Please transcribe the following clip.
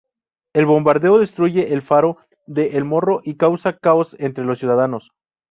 El bombardeo destruye el faro de El Morro y causa caos entre los ciudadanos.